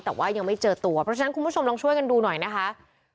แต่ว่ายังไม่เจอตัวเพราะฉะนั้นคุณผู้ชมลองช่วยกันดูหน่อยนะคะ